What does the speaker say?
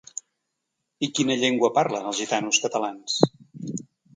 I quina llengua parlen, els gitanos catalans?